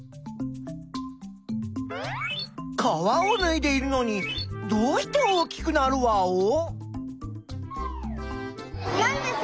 皮をぬいでいるのにどうして大きくなるワオ？